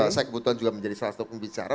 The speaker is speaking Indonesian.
saya kebetulan juga menjadi salah satu pembicara